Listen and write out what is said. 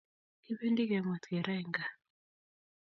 Kibendi kemwet kee raaa en Kaa